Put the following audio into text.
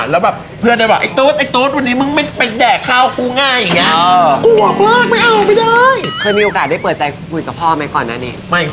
แล้วตั้งการทางเรียน